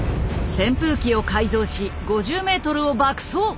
扇風機を改造し５０ｍを爆走！